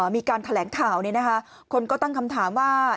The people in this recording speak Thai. มีการแถลงข่าวคนก็ตั้งคำถามว่า